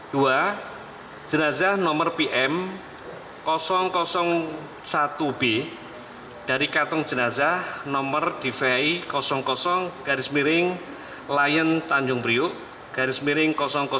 dua jenazah nomor pm satu b dari kantong jenazah nomor dvi garis miring lion tanjung priuk garis miring